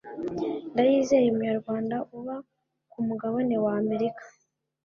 ndayizeye umunyarwanda uba ku mugabane wa america